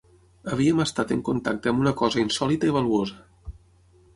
Havíem estat en contacte amb una cosa insòlita i valuosa